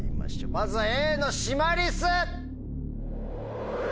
まずはＡのシマリス！